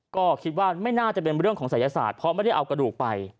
ก็คิดว่าไม่น่าจะเป็นเรื่องของศัยศาสตร์เพราะไม่ได้เอากระดูกไป